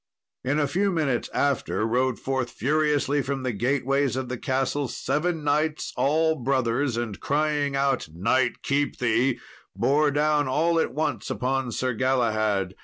In a few minutes after rode forth furiously from the gateways of the castle seven knights, all brothers, and crying out, "Knight, keep thee," bore down all at once upon Sir Galahad.